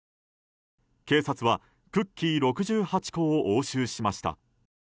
警察はクッキー６８個を押収しました。